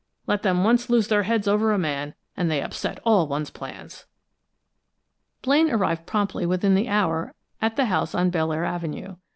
Let them once lose their heads over a man, and they upset all one's plans!" Blaine arrived promptly within the hour at the house on Belleair Avenue.